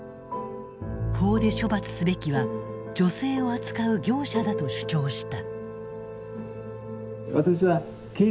法で処罰すべきは女性を扱う業者だと主張した。